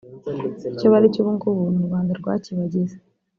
icyo bari cyo ubu ngubu ni u Rwanda rwakibagize